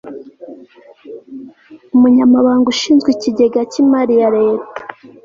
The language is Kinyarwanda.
Umunyamabanga ushinzwe Ikigega cy imari ya Leta